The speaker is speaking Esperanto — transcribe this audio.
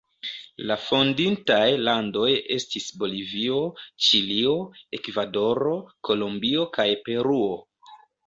La fondintaj landoj estis Bolivio, Ĉilio, Ekvadoro, Kolombio kaj Peruo.